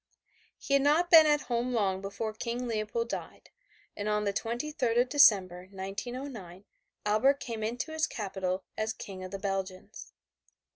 He had not been at home long before King Leopold died, and on the 23rd of December, 1909, Albert came into his capital as King of the Belgians.